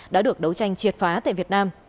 đã được đấu tranh triệt phá tại việt nam